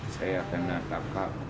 saya kena takak